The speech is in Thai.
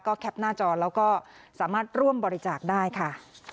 แคปหน้าจอแล้วก็สามารถร่วมบริจาคได้ค่ะ